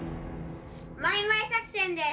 マイマイ作戦です！